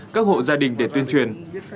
các hộ gia đình để tuyên truyền